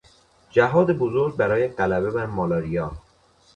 جهاد بزرگ برای غلبه بر مالاریا